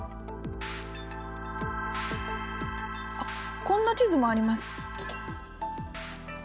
あっこんな地図もあります。